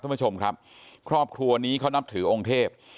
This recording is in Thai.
ท่านผู้ชมครับครอบครัวนี้เขานับถือองค์เทพ